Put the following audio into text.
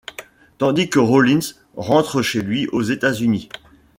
Tandis que Rawlins rentre chez lui aux États-Unis.